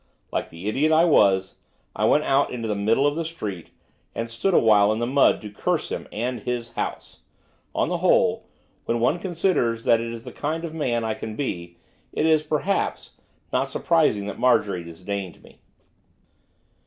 Like the idiot I was, I went out into the middle of the street, and stood awhile in the mud to curse him and his house, on the whole, when one considers that that is the kind of man I can be, it is, perhaps, not surprising that Marjorie disdained me.